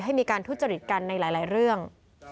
ให้มีการทุจริตกันในหลายเรื่อง